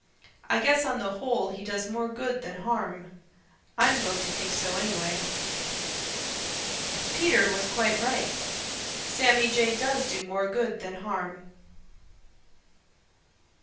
I guess on the whole he does more good than harm. I'm going to think so anyway." Peter was quite right. Sammy Jay does do more good than harm.